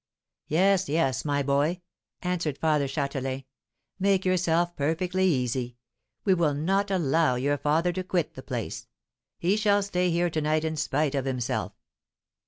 "Yes, yes, my boy," answered Father Châtelain; "make yourself perfectly easy. We will not allow your father to quit the place. He shall stay here to night, in spite of himself."